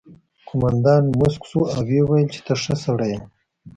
قومندان موسک شو او وویل چې ته ښه سړی یې